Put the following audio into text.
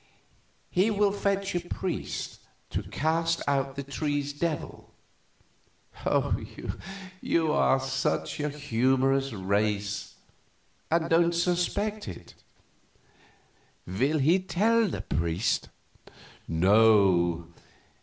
"He will fetch a priest to cast out the tree's devil. You are such a humorous race and don't suspect it." "Will he tell the priest?" "No.